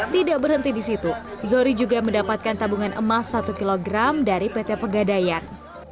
tidak berhenti di situ zohri juga mendapatkan tabungan emas satu kg dari pt pegadaian